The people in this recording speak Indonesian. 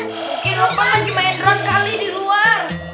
bukin lupa lagi main drone kali di luar